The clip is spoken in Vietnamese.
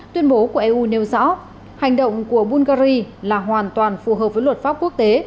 tuyên bố của eu nêu rõ hành động của bungary là hoàn toàn phù hợp với luật pháp quốc tế